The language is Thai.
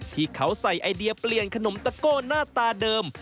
ที่เขาใส่ไอเดียเปลี่ยนขนมตะโก้หน้าตาเดิม